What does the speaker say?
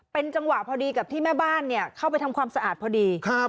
เป็นจังหวะพอดีกับที่แม่บ้านเนี่ยเข้าไปทำความสะอาดพอดีครับ